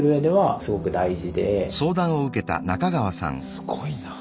すごいなぁ。